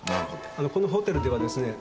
あのこのホテルではですね